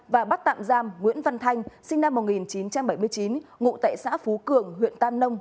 và bắt tạm giam nguyễn văn thanh sinh năm một nghìn chín trăm bảy mươi chín ngụ tại xã phú cường huyện tam nông